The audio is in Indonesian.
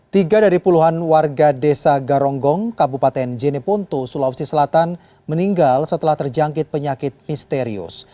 tiga dari puluhan warga desa garonggong kabupaten jeneponto sulawesi selatan meninggal setelah terjangkit penyakit misterius